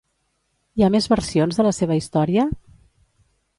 Hi ha més versions de la seva història?